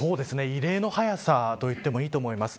異例の早さといってもいいと思います。